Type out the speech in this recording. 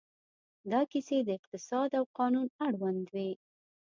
دا کیسې د اقتصاد او قانون اړوند وې.